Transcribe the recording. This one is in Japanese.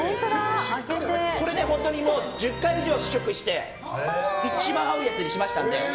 これ、１０回以上試食して一番合うやつにしましたので。